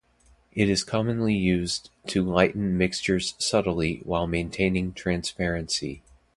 It is commonly used to lighten mixtures subtly while maintaining transparency.